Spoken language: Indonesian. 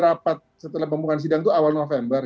rapat setelah pembukaan sidang itu awal november